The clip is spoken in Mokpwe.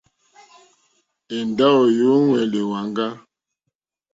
Èndáwò yǔŋwɛ̀lɛ̀ èwàŋgá.